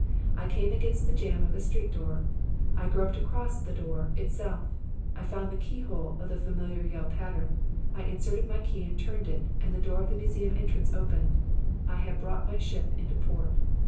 I came against the jamb of a street door, I groped across to the door itself, I found the keyhole of the familiar Yale pattern, I inserted my key and turned it; and the door of the museum entrance opened. I had brought my ship into port.